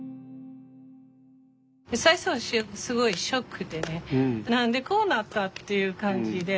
最初はすごいショックでね何でこうなった？っていう感じで。